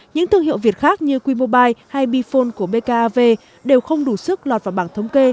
những thương hiệu việt khác như qmobile hay bphone của bkav đều không đủ sức lọt vào bảng thống kê